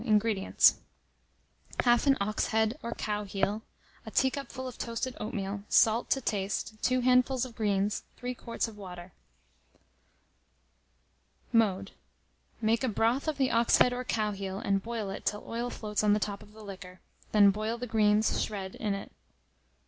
INGREDIENTS. Half an ox head or cow heel, a teacupful of toasted oatmeal, salt to taste, 2 handfuls of greens, 3 quarts of water. Mode. Make a broth of the ox head or cow heel, and boil it till oil floats on the top of the liquor, then boil the greens, shred, in it.